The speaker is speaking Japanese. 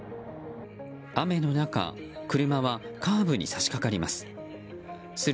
雨の中車はカーブに差し掛かります。